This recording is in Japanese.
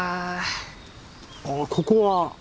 あぁここは？